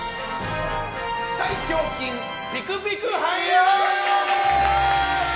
大胸筋ピクピク杯！